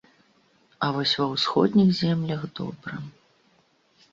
А вось ва ўсходніх землях добра.